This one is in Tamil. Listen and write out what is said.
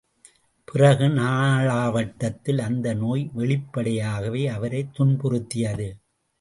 பிறகு, நாளாவட்டத்தில் அந்த நோய் வெளிப்படையாகவே அவரை துன்புறுத்தியது.